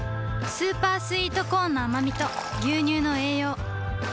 スーパースイートコーンのあまみと牛乳の栄養